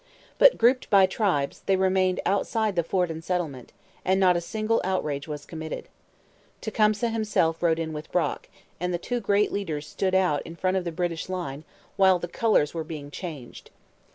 But, grouped by tribes, they remained outside the fort and settlement, and not a single outrage was committed. Tecumseh himself rode in with Brock; and the two great leaders stood out in front of the British line while the colours were being changed.